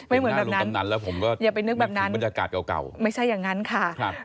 ไม่เหมือนแบบนั้นอย่าไปนึกแบบนั้นไม่ใช่อย่างนั้นค่ะ